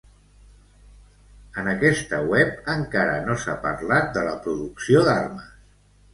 En aquesta web encara no s'ha parlat de la producció d'armes.